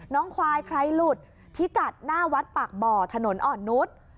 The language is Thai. น้องควายใครหลุดพิกัดหน้าวัดปากบ่อถนนอ่อนนุษย์